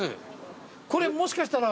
これもしかしたら。